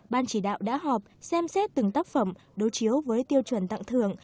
ban chỉ đạo đã họp xem xét từng tác phẩm đối chiếu với tiêu chuẩn tặng thưởng